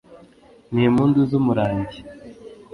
ni impundu z’umurangi